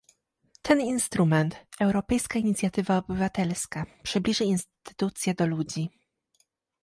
Ten instrument - europejska inicjatywa obywatelska - przybliży instytucje do ludzi